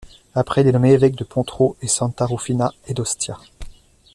Après il est nommé évêque de Porto e Santa Rufina et d'Ostia.